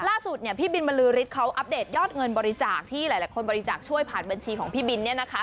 ล่าสุดพี่บินบรือฤทธิ์เขาอัปเดตยอดเงินบริจาคที่หลายคนบริจาคช่วยผ่านบัญชีของพี่บิน